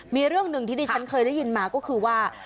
มีเรื่องหนึ่งที่ดิฉันเคยได้ยินมาก็คือว่า